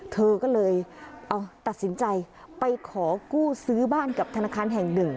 เธอก็เลยเอาตัดสินใจไปขอกู้ซื้อบ้านกับธนาคารแห่งหนึ่ง